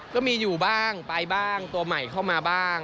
ก็มีอยู่บ้างไปบ้างตัวใหม่เข้ามาบ้าง